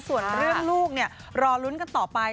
ส่วนเรื่องลูกเนี่ยรอลุ้นกันต่อไป